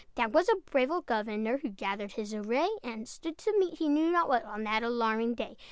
That was a brave old governor Who gathered his array, And stood to meet, he knew not what, On that alarming day.